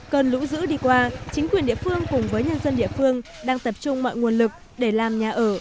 cơn lũ dữ đi qua chính quyền địa phương cùng với nhân dân địa phương đang tập trung mọi nguồn lực để làm nhà ở